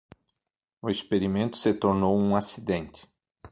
O experimento se tornou um acidente.